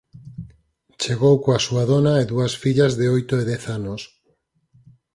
Chegou coa súa dona e dúas fillas de oito e dez anos.